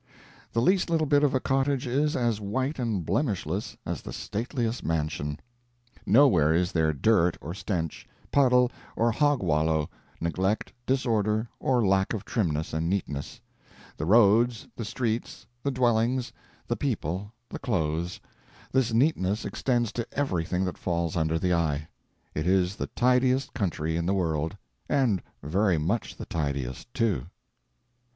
The least little bit of a cottage is as white and blemishless as the stateliest mansion. Nowhere is there dirt or stench, puddle or hog wallow, neglect, disorder, or lack of trimness and neatness. The roads, the streets, the dwellings, the people, the clothes this neatness extends to everything that falls under the eye. It is the tidiest country in the world. And very much the tidiest, too.